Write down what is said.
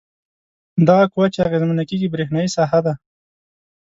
دغه قوه چې اغیزمنه کیږي برېښنايي ساحه ده.